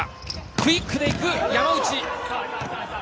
クイックでいく山内。